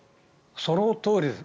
そのとおりです。